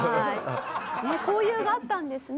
交友があったんですね